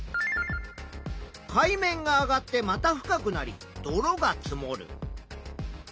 海面が上がってまた深くなり泥が積もる。